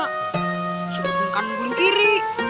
masih berbongkar mengguling kiri